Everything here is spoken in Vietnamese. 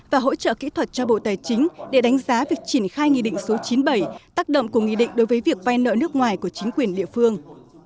và hỗ trợ kỹ thuật cho bộ tài chính để đánh giá việc triển khai nghị định số chín mươi bảy tác động của nghị định đối với việc vay nợ nước ngoài của chính quyền địa phương